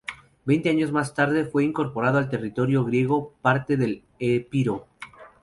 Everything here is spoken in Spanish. Veinte años más tarde, fue incorporado al territorio griego parte del Epiro.